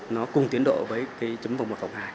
nó cùng tiến độ với chấm vào một phòng hai